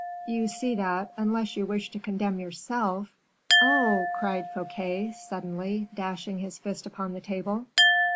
You see that, unless you wish to condemn yourself " "Oh!" cried Fouquet, suddenly, dashing his fist upon the table.